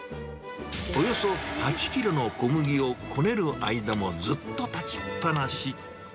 およそ８キロの小麦をこねる間も、ずっと立ちっ放し。